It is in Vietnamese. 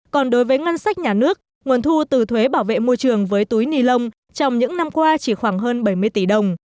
còn đối với ngân sách nhà nước nguồn thu từ thuế bảo vệ môi trường với túi ni lông trong những năm qua chỉ khoảng hơn bảy mươi tỷ đồng